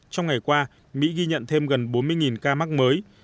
trong ngày qua mỹ ghi nhận thêm gần bốn mươi ca mắc mới